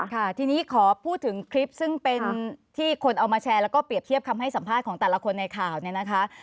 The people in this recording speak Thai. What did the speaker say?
ค่ะทีนี้ขอพูดถึงคลิปซึ่งเป็นที่คนเอามาแชร์แล้วก็เปรียบเทียบคำให้สัมภาษณ์ของแต่ละคนในข่าวเนี่ยนะคะ